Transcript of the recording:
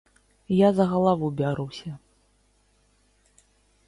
Я за галаву бяруся.